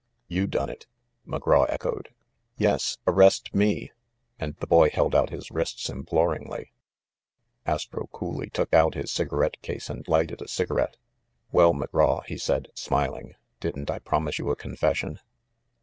"You done it?" McGraw echoed. "Yes ! Arrest me !" and the boy held out his wrists imploringly. 404 THE MASTER OF MYSTERIES Astro coolly took out his cigarette case and lighted a cigarette. "Well, McGraw," he said, smiling, "didn't I promise you a confession?"